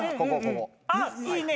あっいいね。